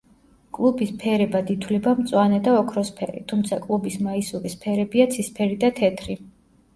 კლუბის ფერებად ითვლება მწვანე და ოქროსფერი, თუმცა კლუბის მაისურის ფერებია ცისფერი და თეთრი.